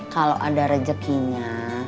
kalau ada rejekinya